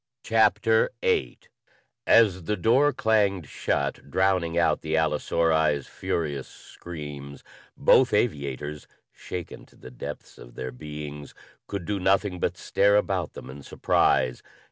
CHAPTER VIII As the door clanged shut, drowning out the allosauri's furious screams, both aviators, shaken to the depths of their beings, could do nothing but stare about them in surprise.